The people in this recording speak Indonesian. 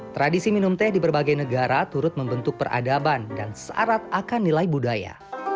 tradisi minum teh di berbagai negara turut membentuk peradaban dan syarat akan nilai budaya